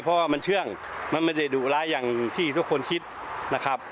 เพราะว่ามันเชื่องมันไม่ได้ดุร้ายอย่างที่ทุกคนคิดนะครับ